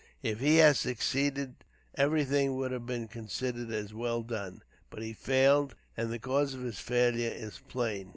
If he had succeeded, everything would have been considered as well done; but he failed, and the cause of his failure is plain.